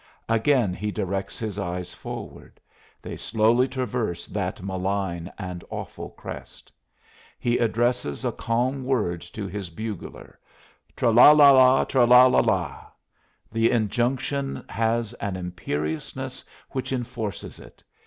Again he directs his eyes forward; they slowly traverse that malign and awful crest. He addresses a calm word to his bugler. Tra la la! Tra la la! The injunction has an imperiousness which enforces it.